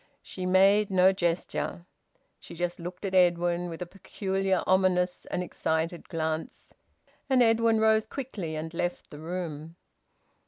She made no gesture; she just looked at Edwin with a peculiar ominous and excited glance, and Edwin rose quickly and left the room.